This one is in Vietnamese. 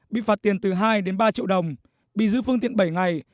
bị phạt tiền từ hai đến ba triệu đồng bị giữ phương tiện bảy ngày